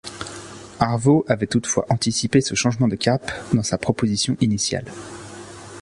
Avro avait toutefois anticipé ce changement de cap dans sa proposition initiale.